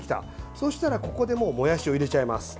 そうしたら、ここでもうもやしを入れちゃいます。